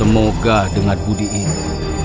semoga dengan budi ini